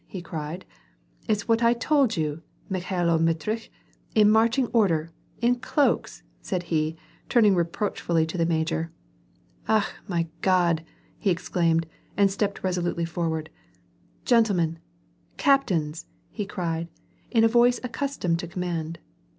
'' he cried, "It's what I told you, Mikhailo Mitritch — in marching order, in cloaks" said he, turning reproachfully to the major. "Akh! my God," he exclaimed and stepped resolutely forward. "Gentlemen I Captains !" he cried, in a voice accustomed to command.